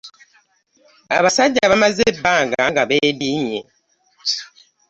Abasajja bamaze ebbanga nga beediimye.